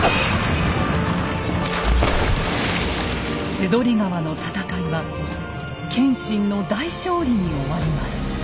手取川の戦いは謙信の大勝利に終わります。